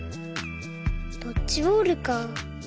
ドッジボールか。